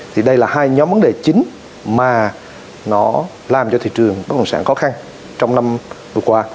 thì đây là hai nhóm vấn đề chính mà nó làm cho thị trường bất động sản khó khăn trong năm vừa qua